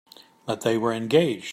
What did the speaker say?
But they were engaged.